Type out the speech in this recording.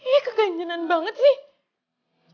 ini keganjanan banget sih